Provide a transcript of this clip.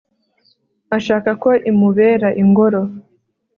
ashaka ko imubera ingoro